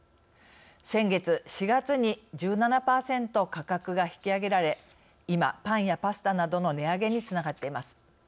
先月４月に１７％価格が引き上げられ今パンやパスタなどの値上げにつながっています。